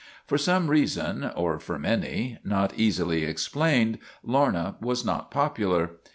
For some reason, or for many, not easily ex plained, Lorna was not popular.